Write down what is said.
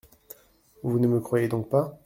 Vous ne me croyez donc pas ?